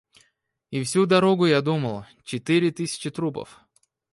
И всю дорогу я думал: четыре тысячи трупов.